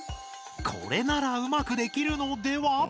これならうまくできるのでは？